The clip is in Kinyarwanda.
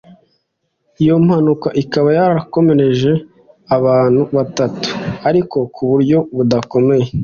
iyo mpanuka ikaba yakomerekeje abantu batatu ariko ku buryo budakomeye